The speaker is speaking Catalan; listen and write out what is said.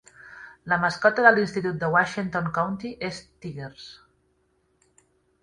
La mascota de l'institut de Washington County és Tigers.